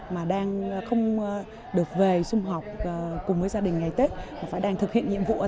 mà đang không được về sung học cùng với gia đình ngày tết phải đang thực hiện nhiệm vụ ở tại trường